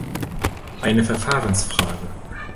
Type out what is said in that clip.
Eine Verfahrensfrage.